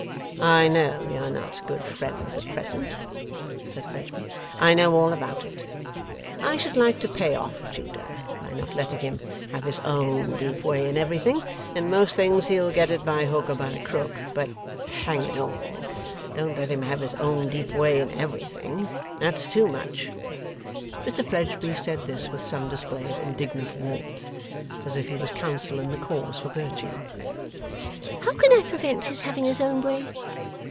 'I know you're not good friends at present,' said Fledgeby. 'I know all about it. I should like to pay off Judah, by not letting him have his own deep way in everything. In most things he'll get it by hook or by crook, but hang it all! don't let him have his own deep way in everything. That's too much.' Mr Fledgeby said this with some display of indignant warmth, as if he was counsel in the cause for Virtue. 'How can I prevent his having his own way?